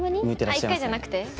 １回じゃなくて？